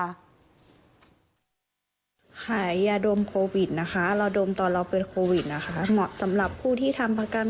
ใช่ค่ะคือเท่ากลางกระแสข่าวที่บอกว่าเออมีคนอยากติดโควิด๑๙